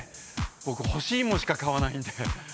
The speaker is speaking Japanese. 僕干し芋しか買わないんで。